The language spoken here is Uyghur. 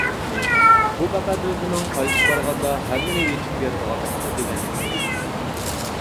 ئۇ پەقەت ئۆزىنىڭ قايتىپ بارغاندا ھەممىنى ئېيتىپ بېرىدىغانلىقىنى دېگەنىدى.